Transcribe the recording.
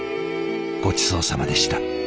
ごちそうさまでした。